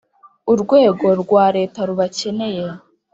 urwego rwa leta rubakeneye